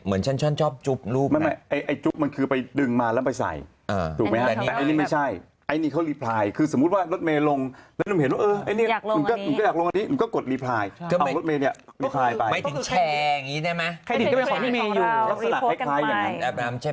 เหมือนฉันชอบจุ๊บรูปไหมไม่ไอ้จุ๊บมันคือไปดึงมาแล้วไปใส่ถูกไหมครับแต่อันนี้ไม่ใช่